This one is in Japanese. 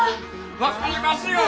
分かりますよ！